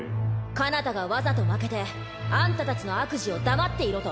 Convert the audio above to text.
かなたがわざと負けてあんたたちの悪事を黙っていろと？